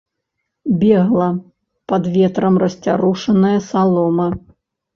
Бегла пад ветрам расцярушаная салома.